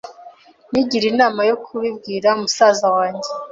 Nigiriye inama yo kubibwira musaza wanjye.